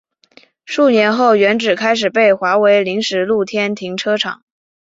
数年后原址开始被划为临时露天停车场。